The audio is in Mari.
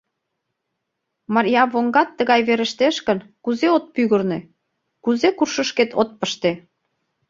Марьявоҥгат тыгай верештеш гын, кузе от пӱгырнӧ, кузе куршышкет от пыште?